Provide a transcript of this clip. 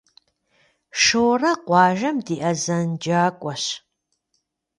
Шорэ къуажэм ди азэнджакӏуэщ.